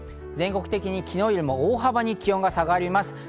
全国的にきのうよりも大幅に気温が下がります。